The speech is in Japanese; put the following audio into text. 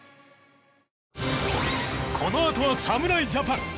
このあとは侍ジャパン。